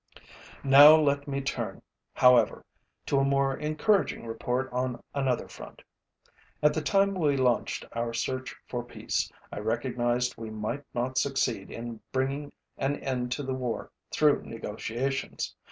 Now let me turn, however, to a more encouraging report on another front. At the time we launched our search for peace, I recognized we might not succeed in bringing an end to the war through negotiations.